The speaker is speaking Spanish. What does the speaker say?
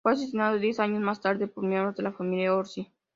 Fue asesinado diez años más tarde por miembros de la familia Orsi.